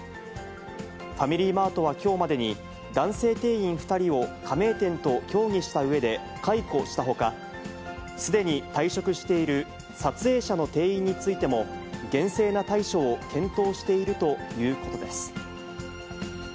ファミリーマートはきょうまでに、男性店員２人を加盟店と協議したうえで解雇したほか、すでに退職している撮影者の店員についても、厳正な対処を検討しているということです。